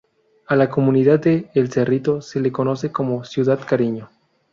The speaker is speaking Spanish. A la comunidad de El Cerrito se le conoce como "Ciudad Cariño.